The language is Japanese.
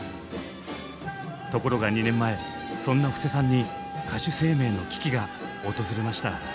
ところが２年前そんな布施さんに歌手生命の危機が訪れました。